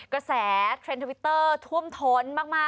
กระแสเทรนด์ทวิตเตอร์ท่วมท้นมาก